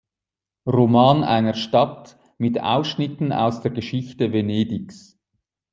Roman einer Stadt" mit Ausschnitten aus der Geschichte Venedigs.